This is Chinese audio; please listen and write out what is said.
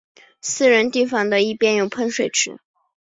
私人地方的一边有喷水池。